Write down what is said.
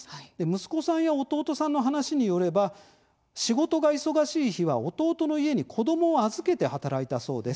息子さんや弟さんの話によれば仕事が忙しい日は弟の家に子どもを預けて働いたそうです。